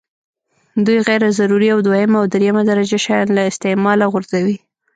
دوی غیر ضروري او دویمه او درېمه درجه شیان له استعماله غورځوي.